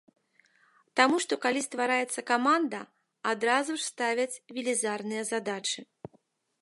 Таму што, калі ствараецца каманда, адразу ж ставяць велізарныя задачы.